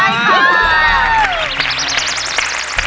ได้ค่ะ